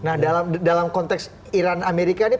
nah dalam konteks iran amerika ini